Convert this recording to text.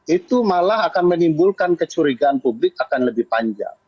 itu malah akan menimbulkan kecurigaan publik akan lebih panjang